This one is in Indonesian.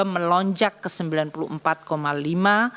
dua ribu dua puluh dua melonjak ke rp sembilan puluh empat lima triliun